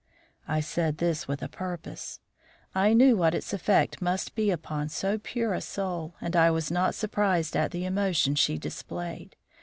I said this with a purpose. I knew what its effect must be upon so pure a soul, and I was not surprised at the emotion she displayed.